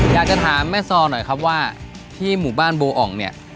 อยากจะถามแม่ซอหน่อยครับว่าที่หมู่บ้านโบอ่องเนี่ย